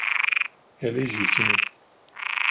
É legítimo